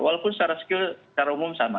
walaupun secara skill secara umum sama